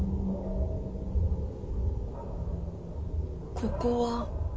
ここは？